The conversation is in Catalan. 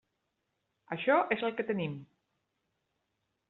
Això és el que tenim.